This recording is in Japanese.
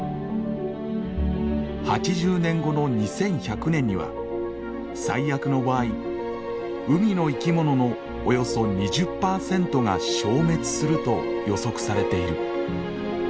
８０年後の２１００年には最悪の場合海の生き物のおよそ２０％が消滅すると予測されている。